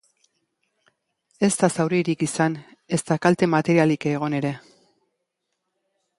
Ez da zauriturik izan, ezta kalte materialik egon ere.